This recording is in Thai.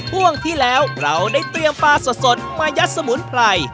ช่วงที่แล้วเราได้เตรียมปลาสดมายัดสมุนไพร